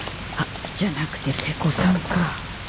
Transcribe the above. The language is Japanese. あっじゃなくて瀬古さんか。